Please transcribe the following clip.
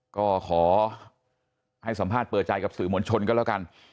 ก็ขอให้สัมภาษณ์เปิดใจกับสื่อมวลชนก็แล้วกัน